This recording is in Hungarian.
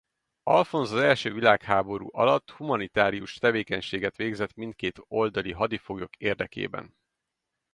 Alfonz az első világháború alatt humanitárius tevékenységet végzett mindkét oldali hadifoglyok érdekében.